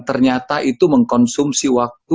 ternyata itu mengkonsumsi waktu